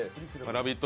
「ラヴィット！」